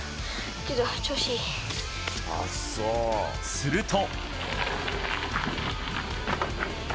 すると。